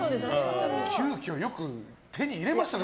急きょ、よく手に入れましたね。